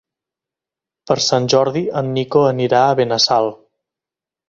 Per Sant Jordi en Nico anirà a Benassal.